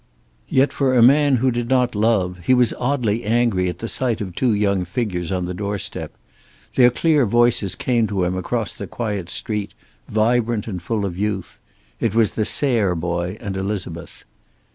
Yet, for a man who did not love, he was oddly angry at the sight of two young figures on the doorstep. Their clear voices came to him across the quiet street, vibrant and full of youth. It was the Sayre boy and Elizabeth.